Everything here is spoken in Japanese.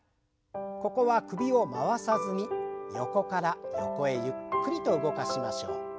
ここは首を回さずに横から横へゆっくりと動かしましょう。